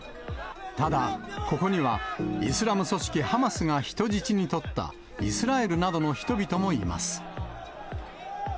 ただ、ここにはイスラム組織ハマスが人質にとったイスラエルなどの人々もいます。